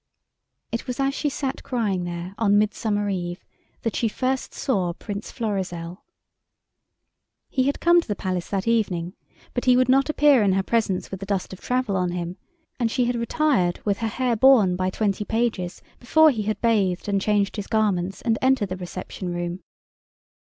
It was as she sat crying there on Midsummer Eve that she first saw Prince Florizel. He had come to the palace that evening, but he would not appear in her presence with the dust of travel on him, and she had retired with her hair borne by twenty pages before he had bathed and changed his garments and entered the reception room.